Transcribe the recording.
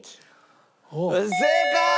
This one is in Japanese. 正解！